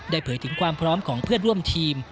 เผยถึงความพร้อมของเพื่อนร่วมทีม